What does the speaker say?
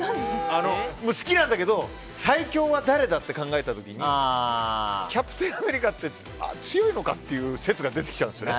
好きなんだけど最強は誰だって考えた時キャプテン・アメリカって強いのかって説が出てきちゃうんですね。